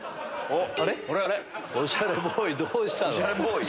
おしゃれボーイどうしたの？